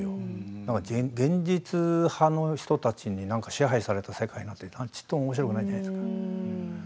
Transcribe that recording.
だから現実派の人たちに支配された世界なんてちっともおもしろくないじゃないですか。